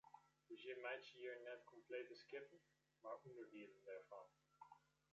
Dus jim meitsje hjir net komplete skippen mar ûnderdielen dêrfan?